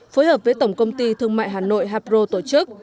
phối hợp với tổng công ty thương mại hà nội hapro tổ chức